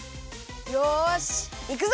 よしいくぞ！